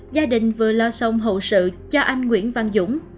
gia đình vừa lo xong hậu sự cho anh nguyễn văn dũng